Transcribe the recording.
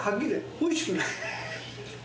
おいしくない。